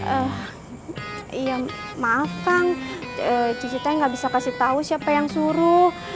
eh ya maaf kang cici teh gak bisa kasih tahu siapa yang suruh